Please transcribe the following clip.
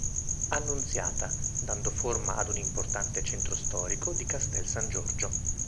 Annunziata, dando forma ad un importante centro storico di Castel San Giorgio.